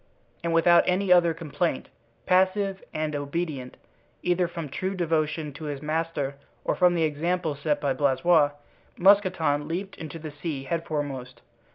And without any other complaint, passive and obedient, either from true devotion to his master or from the example set by Blaisois, Mousqueton leaped into the sea headforemost.